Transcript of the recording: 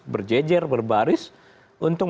berjejer berbaris untuk